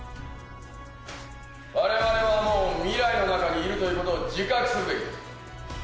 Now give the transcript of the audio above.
我々はもう未来の中にいるということを自覚するべきです。